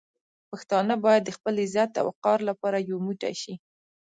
پښتانه باید د خپل عزت او وقار لپاره یو موټی شي.